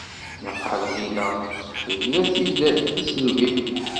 Naqal ɣileɣ tebda-t-id tisselbi.